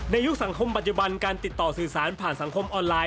ยุคสังคมปัจจุบันการติดต่อสื่อสารผ่านสังคมออนไลน